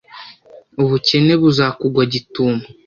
ubukene buzakugwa gitumo.